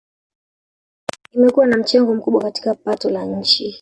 Imekuwa na mchango mkubwa katika pato la nchi